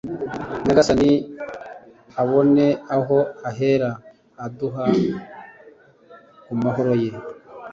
nyagasani abone aho ahera aduha ku mahoro ye